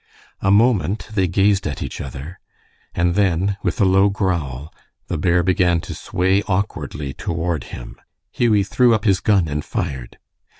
A moment they gazed at each other, and then, with a low growl, the bear began to sway awkwardly toward him. Hughie threw up his gun and fired.